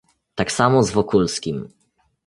"Tak samo z Wokulskim."